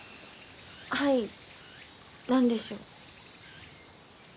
はい何でしょう？